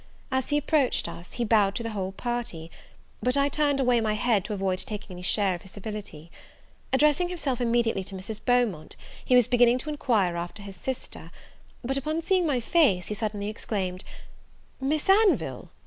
As he approached us, he bowed to the whole party; but I turned away my head to avoid taking any share in his civility. Addressing himself immediately to Mrs. Beaumont, he was beginning to enquire after his sister: but, upon seeing my face, he suddenly exclaimed, "Miss Anville!